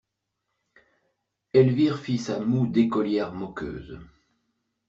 Elvire fit sa moue d'écolière moqueuse.